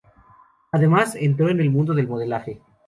Además, entró en el mundo del modelaje.